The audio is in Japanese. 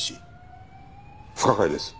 不可解です。